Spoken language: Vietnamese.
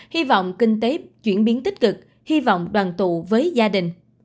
hy vọng kinh tế chuyển biến tích cực hy vọng đoàn tụ với gia đình